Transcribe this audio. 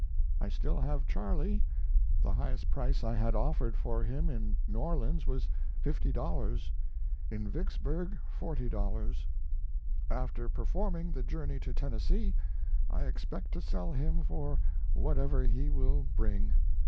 .. I still have Charlie. The highest price I had offered for him in New Orleans was $50, in Vicksburg $40. After performing the journey to Tennessee, I expect to sell him for whatever he will bring.